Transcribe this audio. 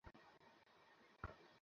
তুমি কী ফিরোজ খান?